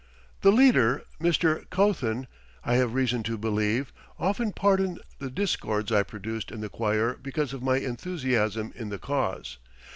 The leader, Mr. Koethen, I have reason to believe, often pardoned the discords I produced in the choir because of my enthusiasm in the cause.